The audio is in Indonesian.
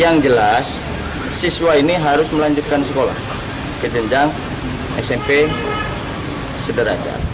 yang jelas siswa ini harus melanjutkan sekolah ketenjang smp sederhana